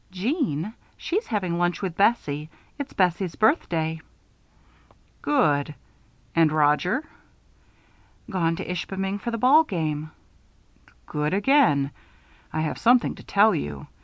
"Jeanne? She's having lunch with Bessie. It's Bessie's birthday." "Good! And Roger?" "Gone to Ishpeming for the ball game." "Good again! I have something to tell you.